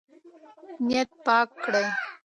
نیت پاک کړئ.